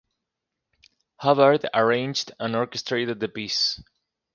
Hubbard arranged and orchestrated the piece.